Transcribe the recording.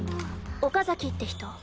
岡崎って人。